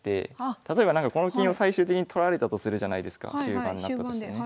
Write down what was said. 例えばこの金を最終的に取られたとするじゃないですか終盤になったとしてね。